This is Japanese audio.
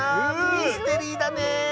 ミステリーだね！